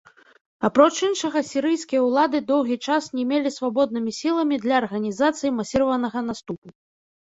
Апроч іншага, сірыйскія ўлады доўгі час не мелі свабоднымі сіламі для арганізацыі масіраванага наступу.